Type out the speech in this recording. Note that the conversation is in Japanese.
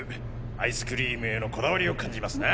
アイスクリームへのこだわりを感じますな。